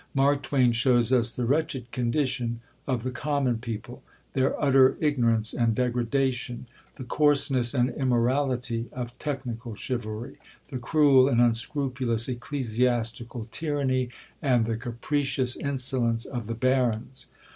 Mark Twain shows us the wretched condition of the common people, their utter ignorance and degradation, the coarseness and immorality of technical chivalry, the cruel and unscrupulous ecclesiastical tyranny, and the capricious insolence of the barons.